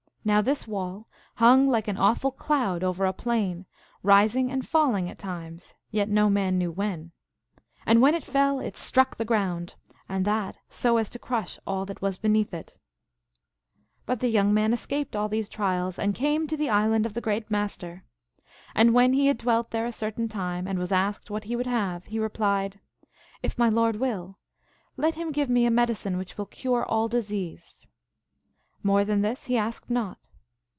Now this wall hung like an awful cloud over a plain, rising and falling at times, yet no man knew when. And when it fell it struck the ground, and that so as to crush all that was beneath it. But the young man escaped all these trials, and GLOOSKAP THE DIVINITY. 95 came to the island of the Great Master. And when he had dwelt there a certain time, and was asked what he would have, he replied, " If my lord will, let him give me a medicine which will cure all dis ease." More than this he asked not.